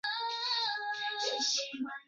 最早的黑奴贸易出现在中世纪及之前。